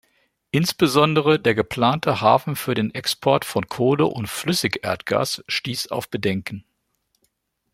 Insbesondere der geplante Hafen für den Export von Kohle und Flüssigerdgas stieß auf Bedenken.